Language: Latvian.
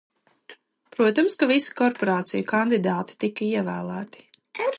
Protams, ka visi korporāciju kandidāti tika ievēlēti.